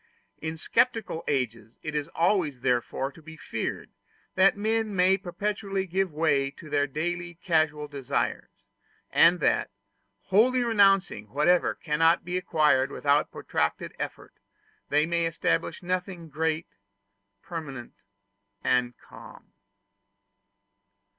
In sceptical ages it is always therefore to be feared that men may perpetually give way to their daily casual desires; and that, wholly renouncing whatever cannot be acquired without protracted effort, they may establish nothing great, permanent, and calm.